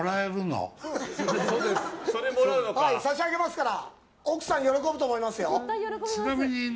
差し上げますから。